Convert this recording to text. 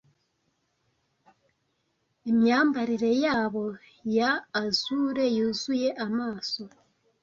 imyambarire yabo ya azure yuzuye amaso